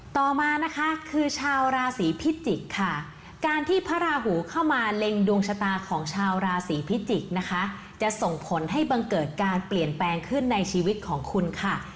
ต่อมานะคะคือชาวราศีพิจิกษ์ค่ะการที่พระราหูเข้ามาเล็งดวงชะตาของชาวราศีพิจิกษ์นะคะจะส่งผลให้บังเกิดการเปลี่ยนแปลงขึ้นในชีวิตของคุณค่ะ